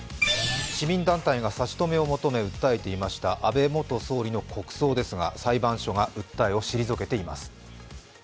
市民団体が差し止めを求め訴えていました安倍元総理の国葬ですが裁判所が訴えを退けています。